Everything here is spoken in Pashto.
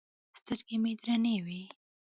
سترګې مې درنې وې.